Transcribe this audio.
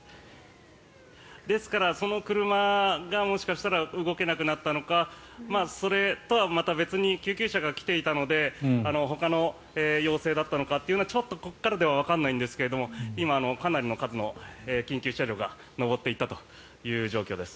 ですから、その車がもしかしたら動けなくなったのかそれとはまた別に救急車が来ていたのでほかの要請だったのかというのはここからはわからないんですが今、かなりの数の緊急車両が上っていったという状況です。